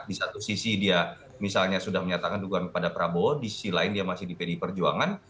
di satu sisi dia misalnya sudah menyatakan dukungan kepada prabowo di sisi lain dia masih di pdi perjuangan